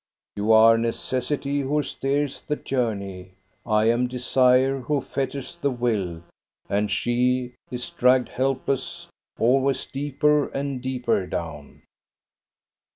You are necessity, who steers the journey. I am desire, who fetters the will, and she is dragged helpless, always deeper and deeper down."